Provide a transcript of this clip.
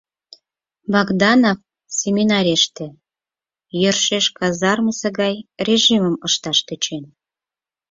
Богданов семинарийыште йӧршеш казармысе гай режимым ышташ тӧчен...